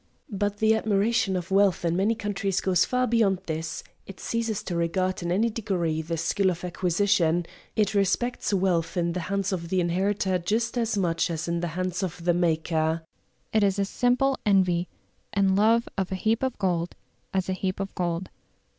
But the admiration of wealth in many countries goes far beyond this; it ceases to regard in any degree the skill of acquisition; it respects wealth in the hands of the inheritor just as much as in the hands of the maker; it is a simple envy and love of a heap of gold as a heap of gold.